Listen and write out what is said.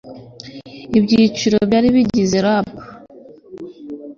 ibyiciro byari bigize rpa